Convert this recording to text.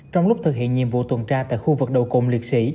trong lúc thực hiện nhiệm vụ tuần tra tại khu vực đồ cồn liệt sĩ